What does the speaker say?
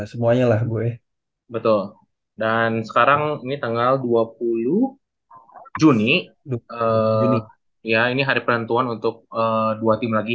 semuanya lah gue betul dan sekarang ini tanggal dua puluh juni ya ini hari penentuan untuk dua tim lagi